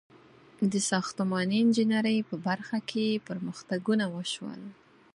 • د ساختماني انجینرۍ په برخه کې پرمختګونه وشول.